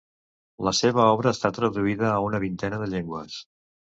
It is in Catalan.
La seva obra està traduïda a una vintena de llengües.